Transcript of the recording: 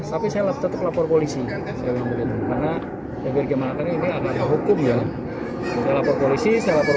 tapi saya tetap lapor polisi karena saya bergemar akan ini ada hukum ya lapor polisi saya lapor